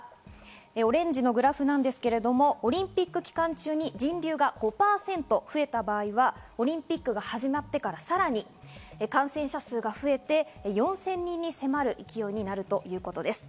オレンジのグラフですが、オリンピック期間中に人流が５％増えた場合はオリンピックが始まってからさらに感染者数が増えて、４０００人に迫る勢いになるということです。